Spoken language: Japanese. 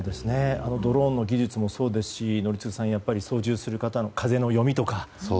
ドローンの技術もそうですし宜嗣さん操縦する方の風の読みとか。